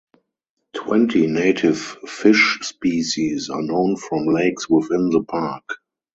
Twenty native fish species are known from lakes within the park.